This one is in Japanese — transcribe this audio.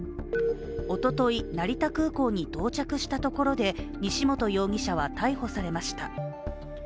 おととい成田空港に到着したところで西本容疑者は逮捕されました。